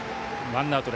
ワンアウト。